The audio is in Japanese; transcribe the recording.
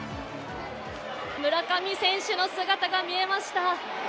村上選手の姿が見えました。